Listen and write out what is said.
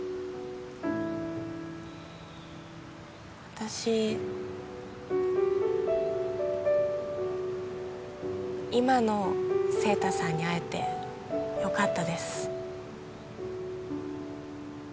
私今の晴太さんに会えてよかったです